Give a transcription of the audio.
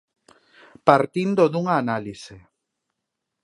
Partindo dunha análise.